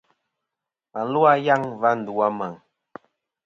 Và lu a yaŋ a va ndu a Meŋ.